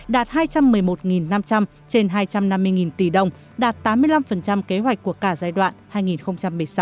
đạt hai trăm một mươi một năm trăm linh trên hai trăm năm mươi tỷ đồng đạt tám mươi năm kế hoạch của cả giai đoạn hai nghìn một mươi sáu hai nghìn hai mươi